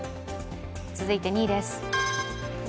続いて２位です。